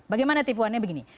bagaimana tipuannya begini